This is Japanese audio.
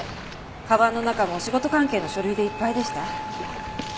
かばんの中も仕事関係の書類でいっぱいでした。